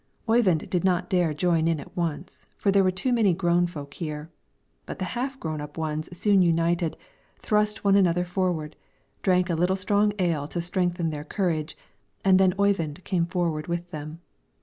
Oyvind did not dare join in at once, for there were too many grown folks here; but the half grown up ones soon united, thrust one another forward, drank a little strong ale to strengthen their courage, and then Oyvind came forward with them.